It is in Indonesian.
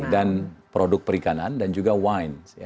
dan produk perikanan dan juga wain